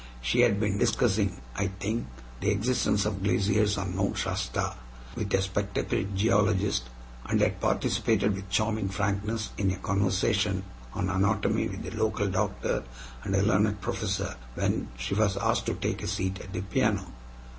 She had been discussing, I think, the existence of glaciers on Mount Shasta with a spectacled geologist, and had participated with charming frankness in a conversation on anatomy with the local doctor and a learned professor, when she was asked to take a seat at the piano.